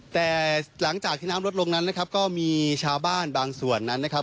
แต่หลังจากที่น้ำลดลงนั้นนะครับก็มีชาวบ้านบางส่วนนั้นนะครับ